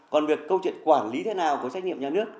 còn việc câu chuyện quản lý thế nào của trách nhiệm nhà nước